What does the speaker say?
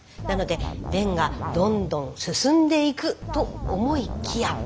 なので便がどんどん進んでいくと思いきや。